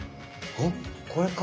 あっこれか？